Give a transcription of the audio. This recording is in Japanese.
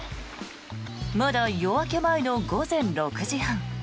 まだ夜明け前の午前６時半。